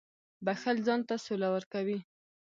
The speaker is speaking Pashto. • بښل ځان ته سوله ورکوي.